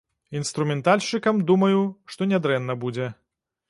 Інструментальшчыкам, думаю, што нядрэнна будзе.